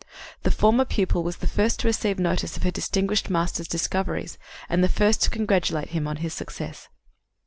The former pupil was the first to receive notice of her distinguished master's discoveries and the first to congratulate him on his success.